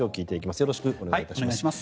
よろしくお願いします。